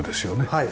はい。